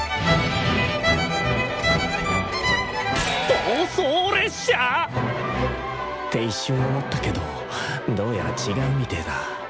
暴走列車！？って一瞬思ったけどどうやら違うみてだ。